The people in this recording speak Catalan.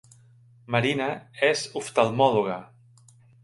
Marina és oftalmòloga